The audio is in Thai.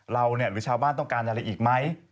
หรือชาวบ้านต้องการอะไรอีกไหม